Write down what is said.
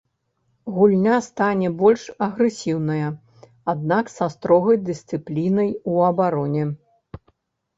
Гульня стане больш агрэсіўная, аднак са строгай дысцыплінай у абароне.